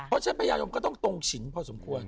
เพราะฉะนั้นพญายมก็ต้องตรงฉินพอสมควร